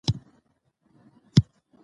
کار د انسان لپاره تجربه جوړوي